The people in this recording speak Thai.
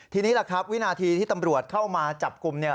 ทีนี้วินาทีที่ตำรวจเข้ามาจับกลุ่ม